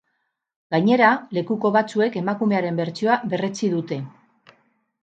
Gainera, lekuko batzuek emakumearen bertsioa berretsi dute.